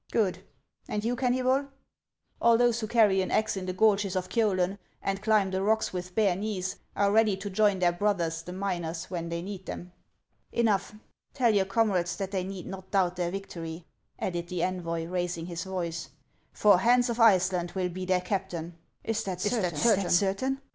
" Good ! And you, Kennybol ?" "All those who carry an axe in the gorges of Kiolen, and climb the rocks with bare knees, are ready to join their brothers, the miners, when they need them." HANS OF ICELAND. 207 "Enough. Tell your comrades that they need not doubt their victory," added the envoy, raising his voice ;" for Hans of Iceland will be their captain." " Is that certain